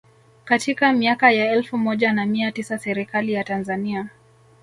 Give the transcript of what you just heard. Katika miaka ya elfu moja na mia tisa Serikali ya Tanzania